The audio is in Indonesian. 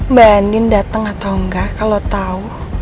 mbak andin datang atau enggak kalau tahu